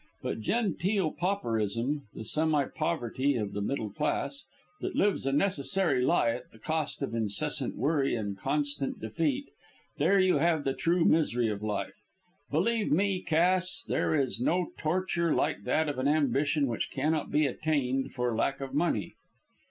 But genteel pauperism the semi poverty of the middle class, that lives a necessary lie at the cost of incessant worry and constant defeat there you have the true misery of life. Believe me, Cass, there is no torture like that of an ambition which cannot be attained for lack of money."